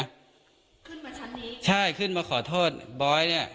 ขึ้นมาชั้นนี้ใช่ขึ้นมาขอโทษบอยเนี่ย